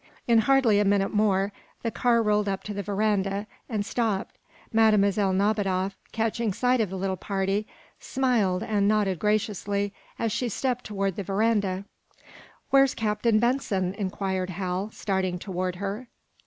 In hardly a minute more the car rolled up to the veranda, and stopped. Mlle. Nadiboff, catching sight of the little party, smiled and nodded graciously as she stepped to the veranda. "Where's Captain Benson?" inquired Hal, starting toward her.